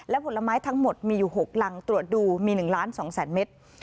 และผลไม้ทั้งหมดมีอยู่๖ลังตรวจดูมี๑๒๐๐๐๐๐เมตร